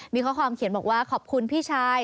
มีข้อความเขียนบอกว่าขอบคุณพี่ชาย